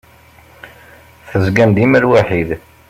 Tezgam dima lwaḥid.